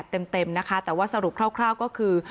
แต่ว่าสรุปคร่าวก็คือ